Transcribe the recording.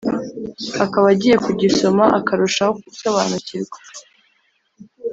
akaba agiye kugisoma akarushaho gusobanukirwa